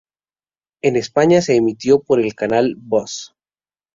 En España se emitió por el canal Buzz.